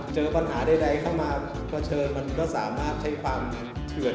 เจอปัญหาใดเข้ามาเผชิญมันก็สามารถใช้ความเถื่อน